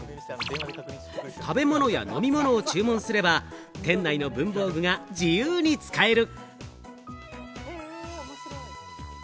食べ物や飲み物を注文すれば、店内の文房具が自由に使える。